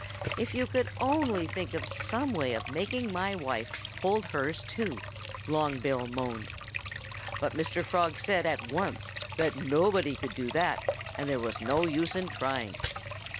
"If you could only think of some way of making my wife hold hers too!" Long Bill moaned. But Mr. Frog said at once that nobody could do that, and there was no use in trying.